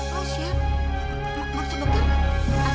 pausya maaf sebentar